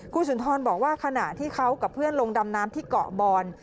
คุณสุนทรบอกว่าขณะที่เขากับเพื่อนลงดำน้ำที่เกาะบอน